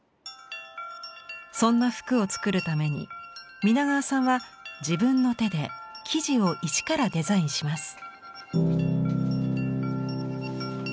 そんな服を作るために皆川さんは自分の手で生地を一からデザインします。